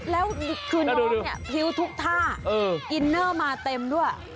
แล้วคือน้องเนี่ยพริ้วทุกท่าอินเนอร์มาเต็มด้วย